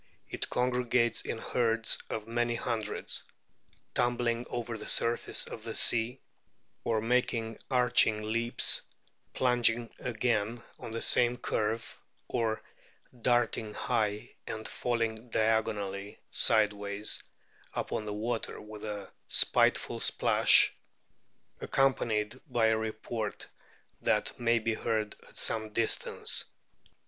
It congregates in herds of many hundreds, "tumbling over the surface of the sea, or making arching leaps, plunging again on the same curve, or darting high and falling diagonally sideways upon the water with a spiteful splash, accompanied by a report that may be heard at some distance.